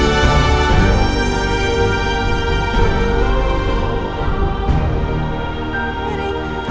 nenek mau pulang